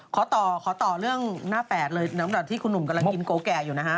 ขอต่อหน้า๘เลยตั้งแต่ที่คุณหนุ่มกำลังกินโกแก่อยู่นะฮะ